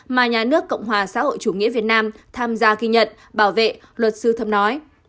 mà nhà nước cộng hòa xã hội chủ nghĩa việt nam tham gia ghi nhận bảo vệ luật sư thâm nói